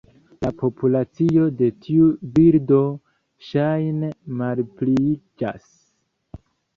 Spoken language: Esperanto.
La populacio de tiu birdo ŝajne malpliiĝas.